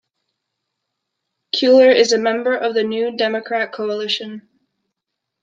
Cuellar is a member of the New Democrat Coalition.